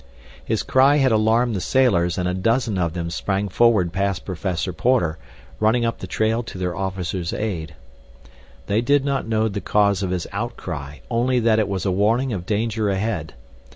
His cry had alarmed the sailors and a dozen of them sprang forward past Professor Porter, running up the trail to their officer's aid. They did not know the cause of his outcry, only that it was a warning of danger ahead.